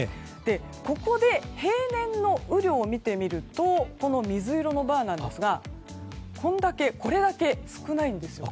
ここで平年の雨量を見てみると水色のバーなんですがこれだけ少ないんですね。